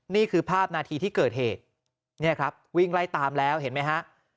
นี่คือภาพนาทีที่เกิดเหตุเนี่ยครับวิ่งไล่ตามแล้วเห็นไหมฮะ